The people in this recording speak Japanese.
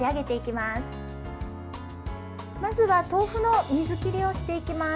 まずは豆腐の水切りをしていきます。